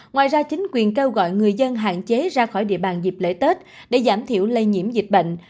ngoài ra chính quyền kêu gọi người dân hạn chế ra khỏi địa bàn dịp lễ tết để giảm thiểu lây nhiễm dịch bệnh